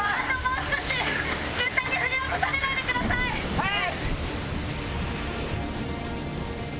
はい！